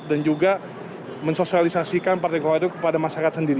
dan juga mensosialisasikan partai gokart itu kepada masyarakat sendiri